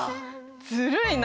ずるいな。